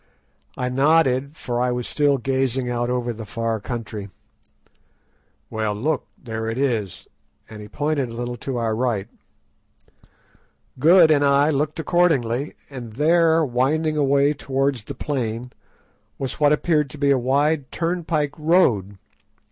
I nodded, for I was still gazing out over the far country. "Well, look; there it is!" and he pointed a little to our right. Good and I looked accordingly, and there, winding away towards the plain, was what appeared to be a wide turnpike road.